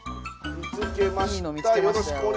見つけました。